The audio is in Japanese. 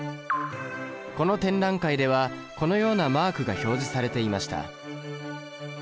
この展覧会ではこのようなマークが表示されていました。